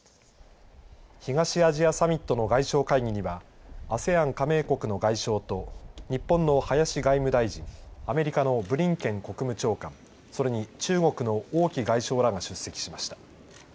東アジアサミットの外相会議にはＡＳＥＡＮ加盟国の外相と日本の林外務大臣アメリカのブリンケン国務長官それに中国の王毅外相らが出席しました。